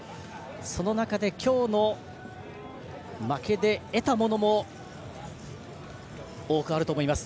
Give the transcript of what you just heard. その中で今日の負けで得たものも多くあると思います。